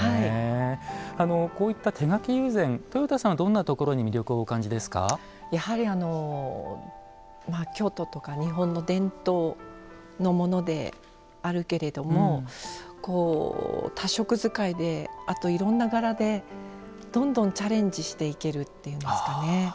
こういった手描き友禅とよたさんは、どんなところにやはり京都とか日本の伝統のものであるけれども多色使いであと、いろんな柄でどんどんチャレンジしていけるというんですかね。